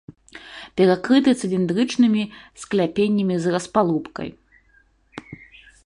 Перакрыты цыліндрычнымі скляпеннямі з распалубкай.